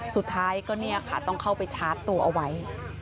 สุดท้ายก็ต้องเข้าไปชาร์จตัวเอาไว้